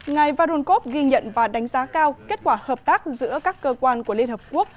ngài varunkov ghi nhận và đánh giá cao kết quả hợp tác giữa các cơ quan của liên hợp quốc